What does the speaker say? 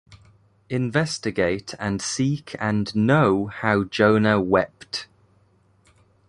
Investigate and seek and know how Jonah wept.